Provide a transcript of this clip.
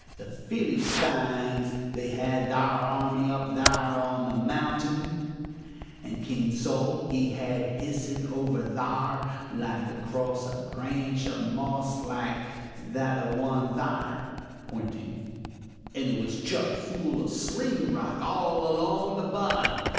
The Fillystines they had thar army up thar on a mounting, and King Sol he had hissin over thar, like, across a branch, amoss like that a one thar (pointing) and it was chuck full of sling rock all along on the bottom.